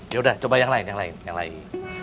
yaudah coba yang lain yang lain